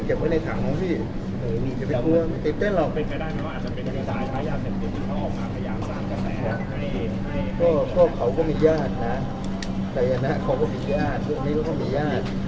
ก็เขาก็มีญาตินะใดอันหน้าเขาก็มีญาติพวกนี้ก็มีญาติ